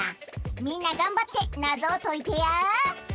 みんながんばってナゾをといてや。